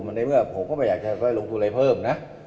ในเมื่อผมก็ไม่อยากจะลงทุนอะไรเพิ่มนะ